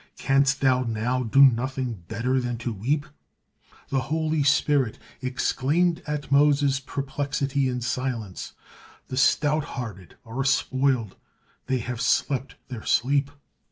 Canst thou now do nothing better than to weep?" The Holy Spirit exclaimed at Moses' perplexity and silence, "The stouthearted are spoiled, they have slept their sleep."